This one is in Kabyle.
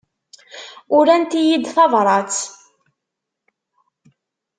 Urant-iyi-d tabrat.